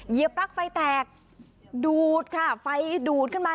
ปลั๊กไฟแตกดูดค่ะไฟดูดขึ้นมา